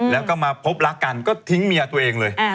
แล้วก็มาพบรักกันก็ทิ้งเมียตัวเองเลย